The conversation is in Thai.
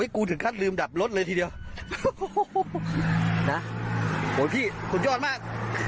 กูถึงขั้นลืมดับรถเลยทีเดียวนะโอ้ยพี่ขนยอดมาก